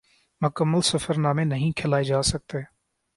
مکمل سفر نامے نہیں کھلائے جا سکتے